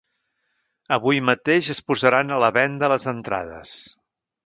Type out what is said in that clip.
Avui mateix es posaran a la venda les entrades.